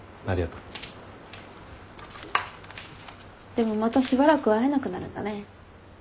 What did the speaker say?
でもまたしばらく会えなくなるんだね。